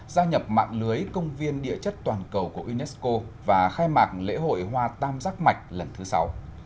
gia nhập mạng lưới công viên địa chất toàn cầu của unesco và khai mạc lễ hội hoa tam giác mạch lần thứ sáu